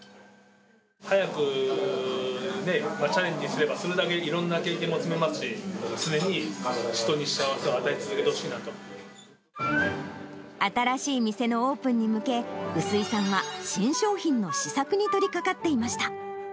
早くチャレンジすればするだけいろんな経験も積めますし、常に人に幸せを与え続けてほしい新しい店のオープンに向け、薄井さんは新商品の試作に取りかかっていました。